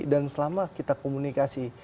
dan selama kita komunikasi